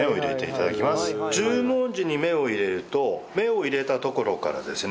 十文字に目を入れると目を入れたところからですね